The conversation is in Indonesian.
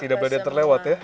tidak boleh terlewat ya